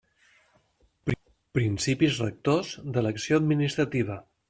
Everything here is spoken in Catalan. Principis rectors de l'acció administrativa.